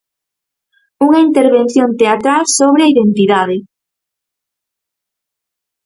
Unha intervención teatral sobre a identidade.